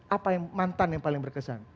apa yang mantan yang paling berkesan